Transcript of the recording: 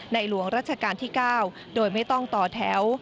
หลวงรัชกาลที่๙โดยไม่ต้องต่อแถว